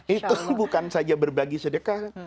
itu bukan saja berbagi sedekah